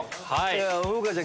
風花ちゃん